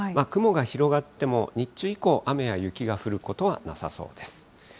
雲が広がっても、日中以降、雨や雪が降ることはなさそうです。